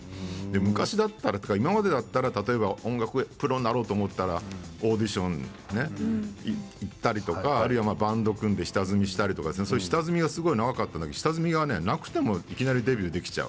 昔だったら今までだったら例えば音楽のプロになろうと思ったらオーディション行ったりバンドを組んで下積みしたり下積みがすごく長かったのに下積みがなくても、いきなりデビューできちゃう。